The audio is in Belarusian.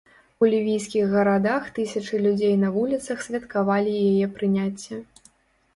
У лівійскіх гарадах тысячы людзей на вуліцах святкавалі яе прыняцце.